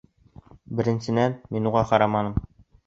Беренсенән, мин уға ҡараманым!..